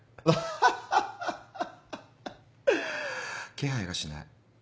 気配がしない。